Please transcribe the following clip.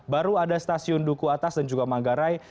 baru ada stasiun duku atas dan juga manggarai